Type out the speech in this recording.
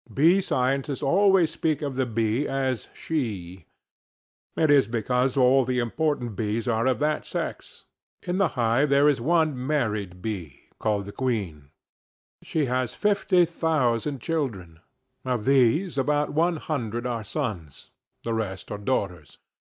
Bee scientists always speak of the bee as she. It is because all the important bees are of that sex. In the hive there is one married bee, called the queen; she has fifty thousand children; of these, about one hundred are sons; the rest are daughters.